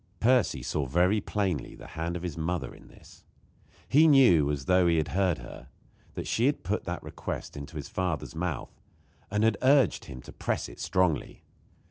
Percy saw very plainly the hand of his mother in this. He knew, as though he had heard her, that she had put that request into his father's mouth, and had urged him to press it strongly.